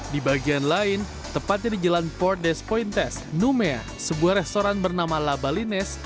di bagian lain tepatnya di jalan port des pointest numea sebuah restoran bernama labalines